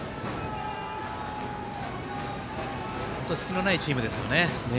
隙のないチームですよね。